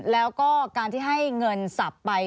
แล้วก็การที่ให้เงินสับไป